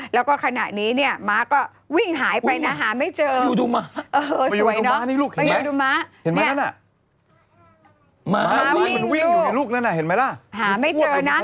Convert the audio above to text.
แล้วก็ขณะนี้เนี่ยม้าก็วิ่งหายไปนะหาไม่เจอนะ